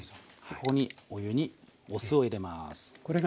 ここにお湯にお酢を入れます。